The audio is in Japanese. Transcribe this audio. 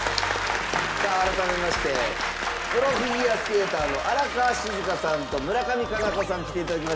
さあ改めましてプロフィギュアスケーターの荒川静香さんと村上佳菜子さん来て頂きました。